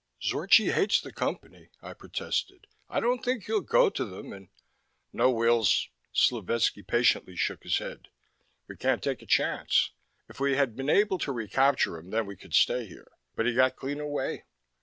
"Zorchi hates the Company," I protested. "I don't think he'll go to them and " "No, Wills." Slovetski patiently shook his head. "We can't take a chance. If we had been able to recapture him, then we could stay here. But he got clean away."